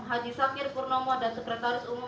haji sakir purnomo dan sekretaris umum